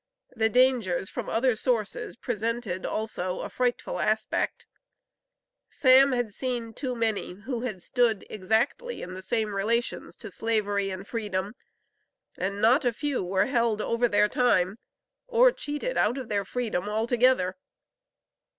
The dangers from other sources presented also a frightful aspect. Sam had seen too many who had stood exactly in the same relations to Slavery and freedom, and not a few were held over their time, or cheated out of their freedom altogether.